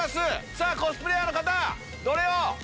さぁコスプレーヤーの方どれを？